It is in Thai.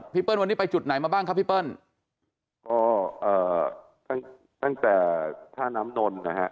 เปิ้ลวันนี้ไปจุดไหนมาบ้างครับพี่เปิ้ลก็เอ่อตั้งแต่ท่าน้ำนนนะฮะ